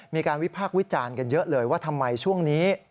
มีการวิพากษ์วิจารณ์กันเยอะเลยว่าทำไมช่วงนี้